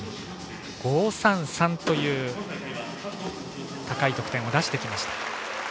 １４．５３３という高い得点を出してきました。